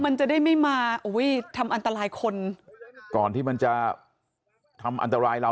มันจะได้ไม่มาอุ้ยทำอันตรายคนก่อนที่มันจะทำอันตรายเรา